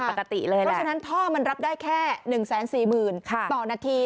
เพราะฉะนั้นท่อมันรับได้แค่๑๔๐๐๐ต่อนาที